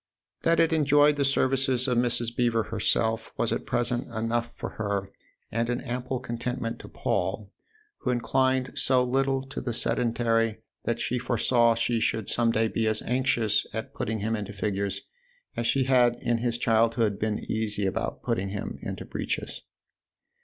That it enjoyed the services of Mrs. Beever herself was at present enough for her 4 THE OTHER HOUSE and an ample contentment to Paul, who inclined so little to the sedentary that she foresaw she should some day be as anxious at putting him into figures as she had in his childhood been easy about putting him into breeches.